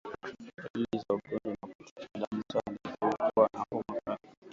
Dalili za ugonjwa wa kutoka damu sana ni mifugo kuwa na homa kali